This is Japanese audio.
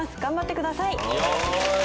頑張ってください！